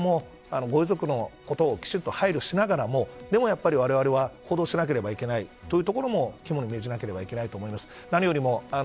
あと報道も、ご遺族のことをきちっと配慮しながらもでもやっぱりわれわれは報道しないといけないというところも肝に銘じなければいけないと思います。